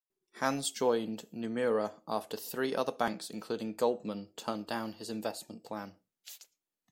Hands joined Nomura after three other banks, including Goldman, turned down his investment plan.